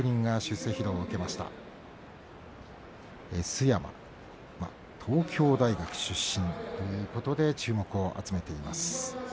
須山東京大学出身ということで注目を集めています。